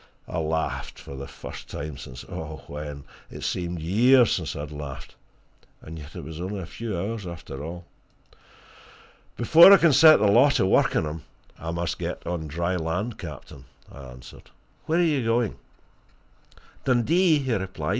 I laughed for the first time since when? It seemed years since I had laughed and yet it was only a few hours, after all. "Before I can set the law to work on him, I must get on dry land, captain," I answered. "Where are you going?" "Dundee," he replied.